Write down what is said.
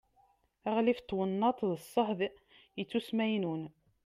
aɣlif n twennaḍt d ṣṣehd ittusmaynun